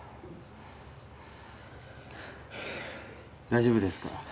大丈夫ですか？